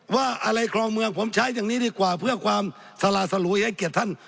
ว่าอะไรครองเมืองผมใช้อย่างนี้ดีกว่าเพื่อความสละสลุยให้เกียรติท่าน